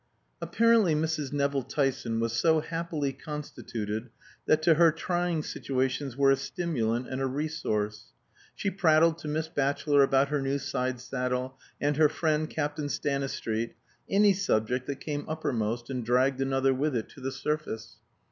Apparently Mrs. Nevill Tyson was so happily constituted that to her trying situations were a stimulant and a resource. She prattled to Miss Batchelor about her new side saddle, and her "friend, Captain Stanistreet" any subject that came uppermost and dragged another with it to the surface.